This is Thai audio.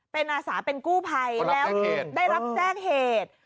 เป็นอาสาเป็นกู้ภัยแล้วได้รับแจ้งเหตุ